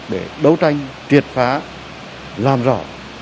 để đấu tranh triệt phá làm rõ